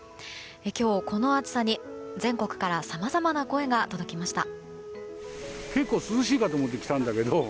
今日この暑さに全国からさまざまな声が届きました。